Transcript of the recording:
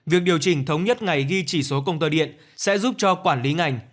việc điều chỉnh thống nhất ngày ghi chỉ số công tơ điện sẽ giúp cho quản lý ngành